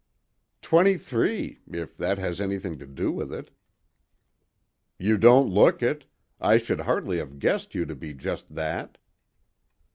"Twenty three—if that has anything to do with it." "You don't look it; I should hardly have guessed you to be just that."